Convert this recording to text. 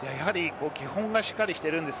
基本がしっかりしているんです。